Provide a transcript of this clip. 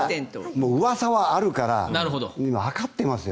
うわさはあるからわかってますよ。